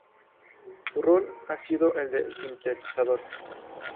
Su rol ha sido el de "sintetizador".